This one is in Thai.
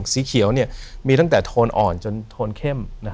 สีเขียวมีตั้งแต่โทนอ่อนจนโทนเข้ม